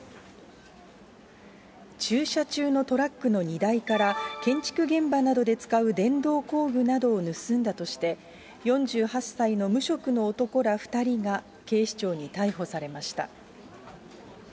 駐車中のトラックの荷台から、建築現場などで使う電動工具などを盗んだとして、４８歳の無職の男ら２人が警視庁に逮捕されました。